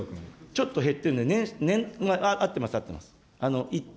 ちょっと減ってるんですね、合ってます、合ってます。